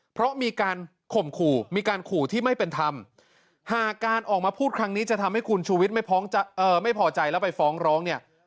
เพราะมีการข่มขู่มีการขู่ที่ไม่เป็นธรรมหากการออกมาพูดครั้งนี้จะทำให้คุณชูวิทย์ไม่พอใจแล้วไปฟ้องร้องเนี่ย